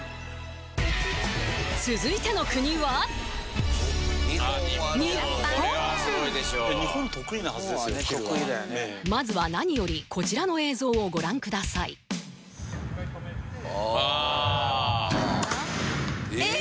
続いての国はまずは何よりこちらの映像をご覧くださいえっ？